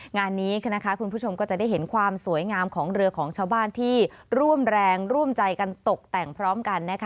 งานนี้คุณผู้ชมก็จะได้เห็นความสวยงามของเรือของชาวบ้านที่ร่วมแรงร่วมใจกันตกแต่งพร้อมกันนะคะ